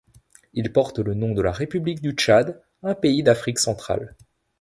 Il porte le nom de la république du Tchad, un pays d'Afrique centrale.